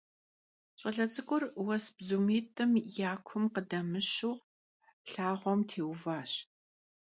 Ş'ale ts'ık'ur vues bdzumit'ım ya kum khıdemışu lhağuem têuvaş.